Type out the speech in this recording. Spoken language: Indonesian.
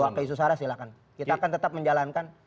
bawa ke isu sarah silahkan kita akan tetap menjalankan